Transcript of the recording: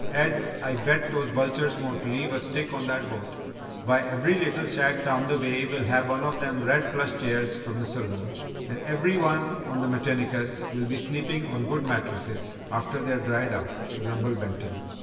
"Ed, I bet those vultures won't leave a stick on that boat why, every little shack down the bay will have one of them red plush chairs from the saloon, and every one on Metinicus will be sleepin' on good mattresses after they're dried out," grumbled Benton.